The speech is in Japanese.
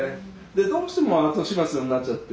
どうしても後始末になっちゃって。